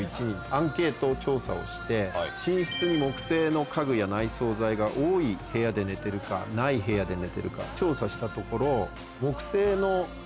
寝室に木製の家具や内装材が多い部屋で寝てるかない部屋で寝てるか調査したところ。